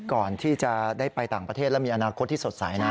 ก่อนที่จะได้ไปต่างประเทศแล้วมีอนาคตที่สดใสนะ